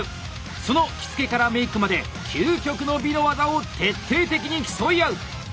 その着付からメイクまで究極の美の技を徹底的に競い合う！